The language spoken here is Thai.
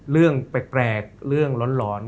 เรื่องแปลกเรื่องร้อน